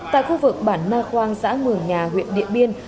tại khu vực bản na khoang xã mường nhà huyện điện biên